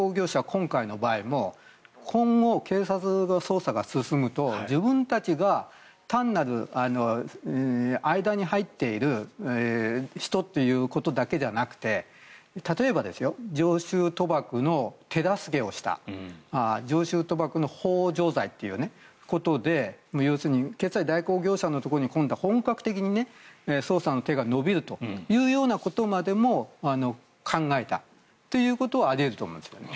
今回の場合も今後、警察の捜査が進むと自分たちが単なる間に入っている人ということだけじゃなくて例えば、常習賭博の手助けをした常習賭博のほう助罪ということで要するに決済代行業者のところに今度は本格的に捜査の手が伸びるというようなことまでも考えたということはあり得ると思うんですよね。